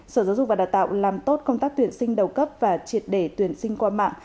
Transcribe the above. sở giáo dục và đào tạo làm tốt công tác tuyển sinh đầu cấp và triệt để tuyển sinh qua mạng